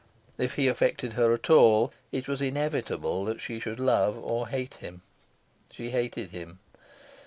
If he affected her at all, it was inevitable that she should love or hate him. She hated him.